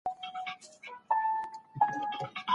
تخیل د فکر لپاره مهم دی.